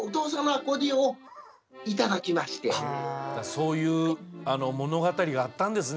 そういう物語があったんですね